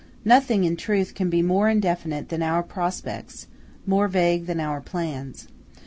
Nothing, in truth, can be more indefinite than our prospects, more vague than our plans.